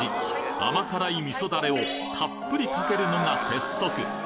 甘辛い味噌ダレをたっぷりかけるのが鉄則